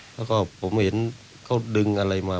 แล้วก็ผมเห็นเขาดึงอะไรมา